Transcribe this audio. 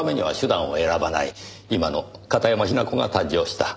今の片山雛子が誕生した。